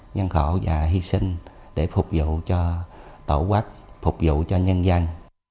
gian khổ và hy sinh để phục vụ cho tổ quốc phục vụ cho nhân dân